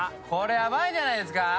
これヤバいんじゃないですか？